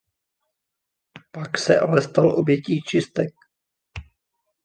Pak se ale stal obětí čistek.